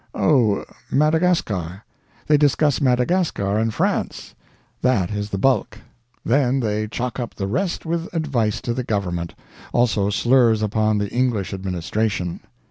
Oh, Madagascar. They discuss Madagascar and France. That is the bulk. Then they chock up the rest with advice to the Government. Also, slurs upon the English administration.